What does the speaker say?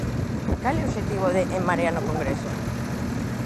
Cal é o obxectivo de En Marea no Congreso?